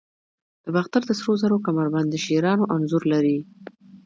د باختر د سرو زرو کمربند د شیرانو انځور لري